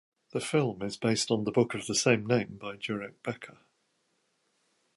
The film is based on the book of the same name by Jurek Becker.